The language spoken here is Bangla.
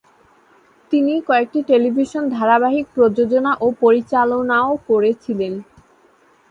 তিনি কয়েকটি টেলিভিশন ধারাবাহিক প্রযোজনা ও পরিচালনাও করেছেিলেন।